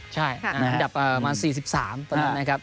ใช่ตไอมหลัก๔๓ตอนนั้นนะครับ